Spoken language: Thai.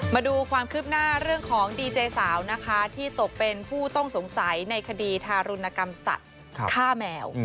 มาดูความคืบหน้าเรื่องของดีเจสาวนะคะที่ตกเป็นผู้ต้องสงสัยในคดีทารุณกรรมสัตว์ฆ่าแมว